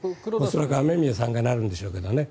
それが雨宮さんがなるんでしょうけどね。